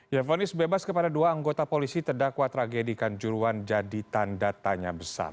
yafonis bebas kepada dua anggota polisi terdakwa tragedikan juruan jadi tanda tanya besar